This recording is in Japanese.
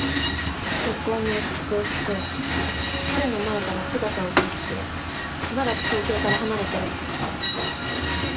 結婚の約束をして彼の前から姿を消してしばらく東京から離れてろって。